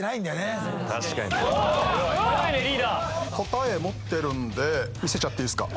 答え持ってるんで見せちゃっていいですか？